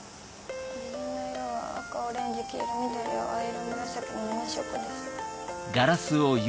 虹の色は赤オレンジ黄色緑青藍色紫の７色です。